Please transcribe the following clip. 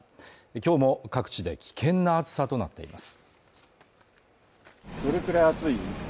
今日も各地で危険な暑さとなっています